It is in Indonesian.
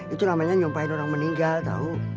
itu namanya nyompahin orang meninggal tahu